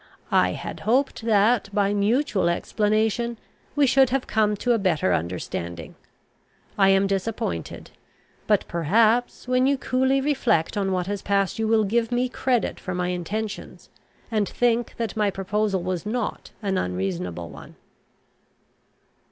I had hoped that, by mutual explanation, we should have come to a better understanding. I am disappointed; but, perhaps, when you coolly reflect on what has passed, you will give me credit for my intentions, and think that my proposal was not an unreasonable one."